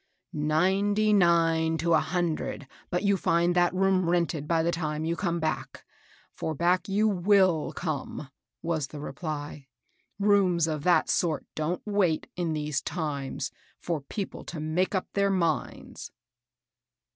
" Ninety nine to a hundred but you find that room rented by the time you come back, — for back you wUl come," was the reply. " Rooms of that sort don't wait, in these times, for people to make up their minds."